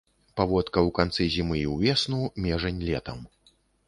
Паводка ў канцы зімы і ўвесну, межань летам.